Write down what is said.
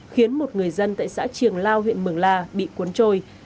khiến một người dân tại xã triềng lao huyện mường la bị cuốn trôi